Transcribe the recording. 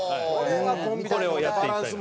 これをやっていきたいなと。